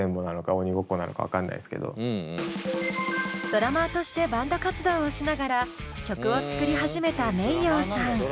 ドラマーとしてバンド活動をしながら曲を作り始めたｍｅｉｙｏさん。